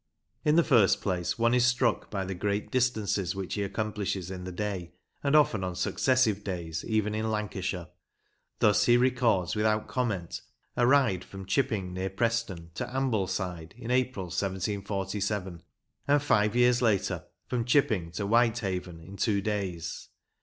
In the first place, one is struck by the great distances which he accomplishes in the day, and often on successive days, even in Lancashire. Thus he records without comment a ride from Chipping, near Preston, to Ambleside in April, 1 747 ; and, five years later, from Chipping to Whitehaven in two days.